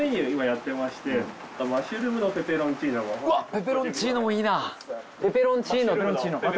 ペペロンチーノもいいな。